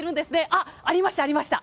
あっ、ありました、ありました。